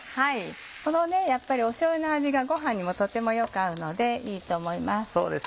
このやっぱりしょうゆの味がご飯にもとてもよく合うのでいいと思います。